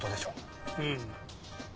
うん。